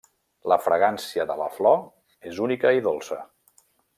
La fragància de la flor és única i dolça.